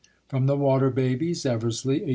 From The Water Babies. Eversley, 1862.